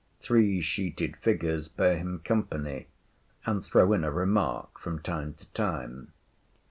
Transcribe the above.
Three sheeted figures bear him company, and throw in a remark from time to time.